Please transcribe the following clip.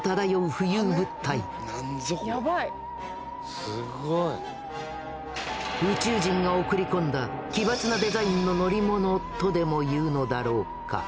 宇宙人が送り込んだ奇抜なデザインの乗り物とでもいうのだろうか何これ？